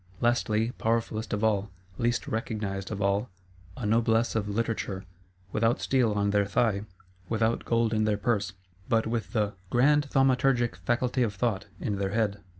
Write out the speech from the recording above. Lastly, powerfulest of all, least recognised of all, a Noblesse of Literature; without steel on their thigh, without gold in their purse, but with the "grand thaumaturgic faculty of Thought" in their head.